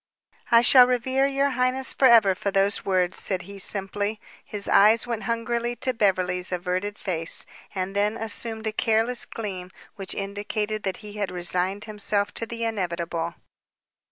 "I shall revere your highness forever for those words," said he simply. His eyes went hungrily to Beverly's averted face, and then assumed a careless gleam which indicated that he had resigned himself to the inevitable.